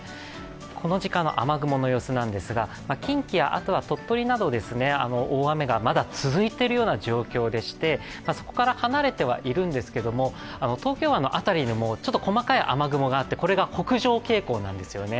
この時間の雨雲の様子なんですが近畿、鳥取など、大雨がまだ続いているような状況でしてそこから離れてはいるんですけれども東京湾の辺りでも、ちょっと細かい雨雲があってここが北上傾向なんですよね。